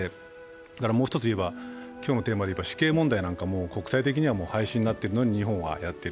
もう１つ、今日のテーマで言えば、死刑問題なんかも国際的には廃止になってるのに日本はやっている。